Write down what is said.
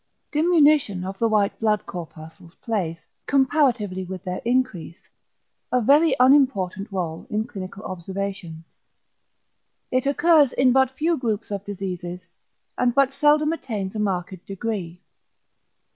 Diminution of the white blood corpuscles plays comparatively with their increase a very unimportant rôle in clinical observations. It occurs in but few groups of diseases, and but seldom attains a marked degree.